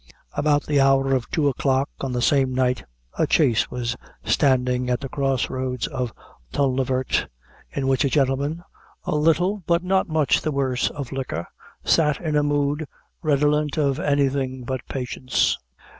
About the hour of two o'clock, on the same night, a chaise was standing at the cross roads of Tulnavert, in which a gentleman, a little but not much the worse of liquor, sat in a mood redolent of anything but patience.